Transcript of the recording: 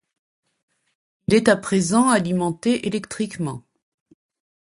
Il est à présent alimenté électriquement.